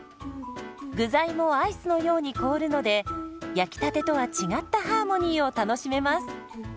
具材もアイスのように凍るので焼きたてとは違ったハーモニーを楽しめます。